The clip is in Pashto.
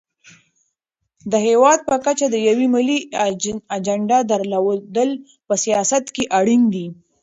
د هېواد په کچه د یوې ملي اجنډا درلودل په سیاست کې اړین دي.